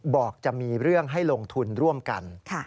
บอกจะมีเรื่องให้ลงทุนร่วมกัน